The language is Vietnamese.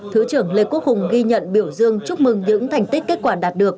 thứ trưởng lê quốc hùng ghi nhận biểu dương chúc mừng những thành tích kết quả đạt được